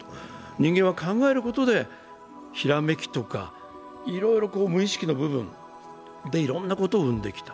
人間は考えることでひらめきとかいろいろ無意識の部分でいろいろなことを生んできた。